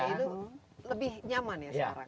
itu lebih nyaman ya sekarang